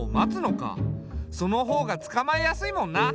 その方がつかまえやすいもんな。